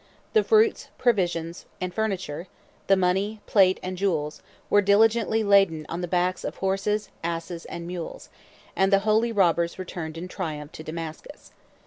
The fruits, provisions, and furniture, the money, plate, and jewels, were diligently laden on the backs of horses, asses, and mules; and the holy robbers returned in triumph to Damascus.